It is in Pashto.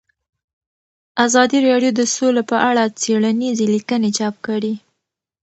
ازادي راډیو د سوله په اړه څېړنیزې لیکنې چاپ کړي.